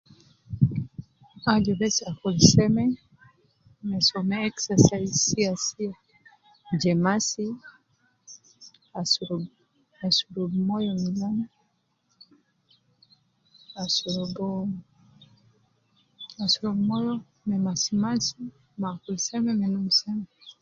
Aju bes akul seme, me soo me exercise sia sia, je masi, asurub, asurub moyo milan, asurubu, asurub moyo, me masi masi ,me akul seme, me num seme